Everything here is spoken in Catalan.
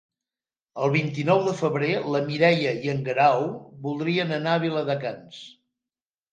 El vint-i-nou de febrer na Mireia i en Guerau voldrien anar a Viladecans.